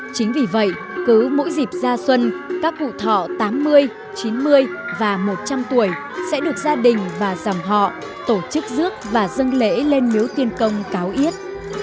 chính vì vậy cứ mỗi dịp ra xuân các cụ thọ tám mươi chín mươi và một trăm linh tuổi sẽ được gia đình và dòng họ tổ chức rước và dân lễ lên miếu tiên công cáo yết